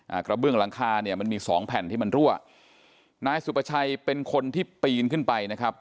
กระเบื้องหลังคาเนี่ยมันมีสองแผ่นที่มันรั่วนายสุประชัยเป็นคนที่ปีนขึ้นไปนะครับ